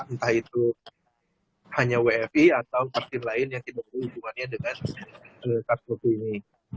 entah itu hanya wfi atau partil lain yang tidak berhubungannya dengan sars cov dua ini